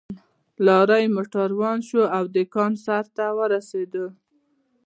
لارۍ موټر روان شو او د کان سر ته ورسېدل